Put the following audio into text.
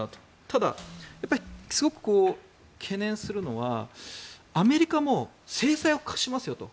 ただ、すごく懸念するのはアメリカも制裁を科しますよと。